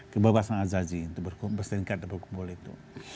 kebebasan azazi itu berseber seringkat dan berkumpul itu